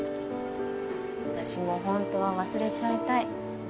私も本当は忘れちゃいたい。